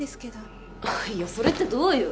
いやそれってどういう。